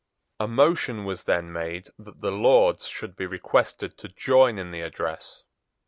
A motion was then made that the Lords should be requested to join in the address.